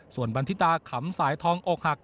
ส่วนบันทิตาขำสายทองอกหัก